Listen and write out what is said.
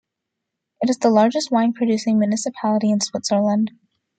It is the largest wine-producing municipality in Switzerland.